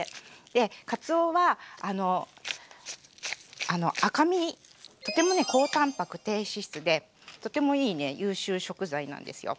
でかつおは赤身とても高たんぱく低脂質でとてもいいね優秀食材なんですよ。